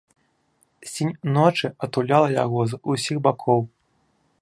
Сінь ночы атуляла яго з усіх бакоў.